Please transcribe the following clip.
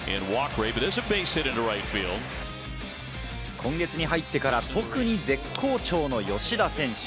今月に入ってから特に絶好調の吉田選手。